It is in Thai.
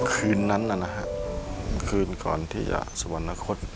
คืนนั้นนะฮะคืนก่อนที่จะสวรรคต